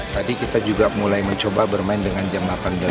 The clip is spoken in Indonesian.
tadi kita juga mulai mencoba bermain dengan jam delapan belas tiga puluh